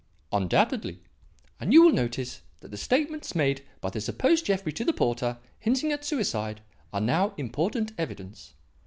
"Undoubtedly. And you will notice that the statements made by the supposed Jeffrey to the porter, hinting at suicide, are now important evidence.